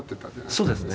そうですね。